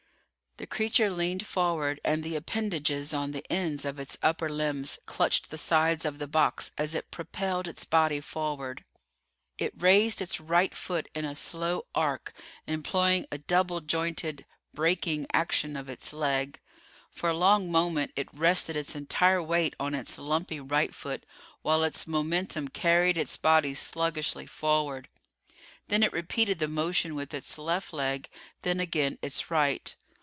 The creature leaned forward and the appendages on the ends of its upper limbs clutched the sides of the box as it propelled its body forward. It raised its right foot in a slow arc, employing a double jointed, breaking action of its leg. For a long moment it rested its entire weight on its lumpy right foot, while its momentum carried its body sluggishly forward. Then it repeated the motion with its left leg; then again its right.